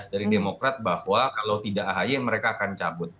dari demokrat bahwa kalau tidak ahy mereka akan cabut